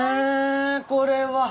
これは。